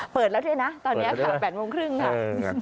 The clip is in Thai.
เปิดแล้วด้วยนะตอนนี้ค่ะ๘โมงครึ่งค่ะ